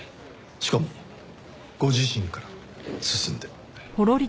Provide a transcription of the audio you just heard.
しかもご自身から進んで。